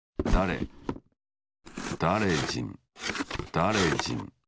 だれじん。